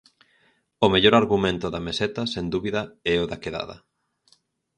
O mellor argumento da "meseta" sen dúbida é o da "quedada".